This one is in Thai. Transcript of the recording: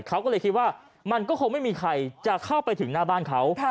เขาก็เลยคิดว่ามันก็คงไม่มีใครจะเข้าไปถึงหน้าบ้านเขา